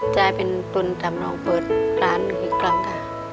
จะให้เป็นทุนทำลองเปิดร้านอีกครั้งค่ะ